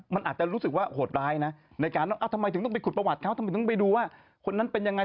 มันอาจจะรู้สึกว่าโหดร้ายนะในการทำไมถึงต้องไปขุดประวัติเขาทำไมต้องไปดูว่าคนนั้นเป็นยังไง